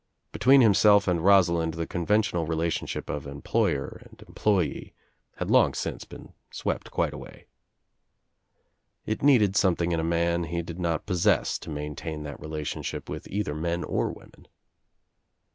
Between himself and Rosalind the conventional relationship of employer and employee had long since been swept quite away. It needed OUT OF NOWHERE INTO NOTHING 225 something in a man he did not possess to maintain that relationship with either men or women.